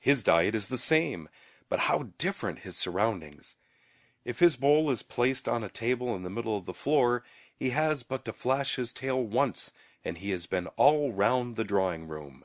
His diet is the same, but how different his surroundings! If his bowl is placed on a table in the middle of the floor, he has but to flash his tail once and he has been all round the drawing room.